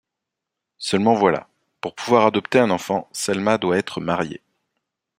Seulement voilà, pour pouvoir adopter un enfant, Selma doit être mariée.